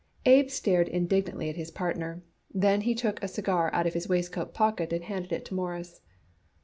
Abe stared indignantly at his partner, then he took a cigar out of his waistcoat pocket and handed it to Morris.